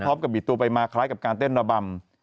พร้อมกับบิดตัวไปมาคล้ายกับการเต้นระบำ